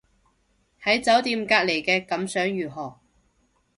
喺酒店隔離嘅感想如何